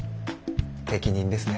適任ですね。